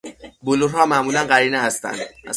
بلورها معمولا قرینه هستند.